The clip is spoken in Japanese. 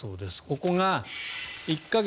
ここが１か月